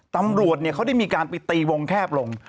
ตำรวจเขาได้มีการไปตีวงแคบลง